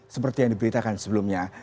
seperti yang diberitakan sebelumnya